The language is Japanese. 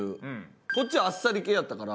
こっちはあっさり系やったから。